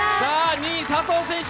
２位、佐藤選手